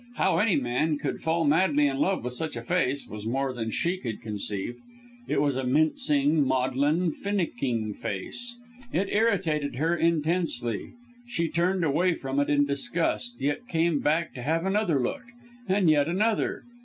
How any man could fall madly in love with such a face, was more than she could conceive. It was a mincing, maudlin, finicking face it irritated her intensely. She turned away from it in disgust, yet came back to have another look and yet another.